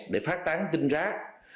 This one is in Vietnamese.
để phát tán tin rác